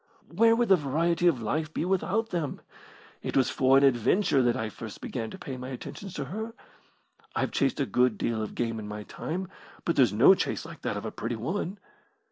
"Where would the variety of life be without them? It was for an adventure that I first began to pay my attentions to her. I've chased a good deal of game in my time, but there's no chase like that of a pretty woman.